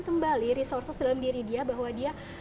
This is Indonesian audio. kembali resources dalam diri dia bahwa dia